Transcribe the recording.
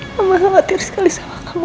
mama khawatir sekali sama kamu